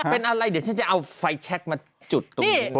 เป็นอะไรเดี๋ยวฉันจะเอาไฟแชคมาจุดตรงนี้ก่อน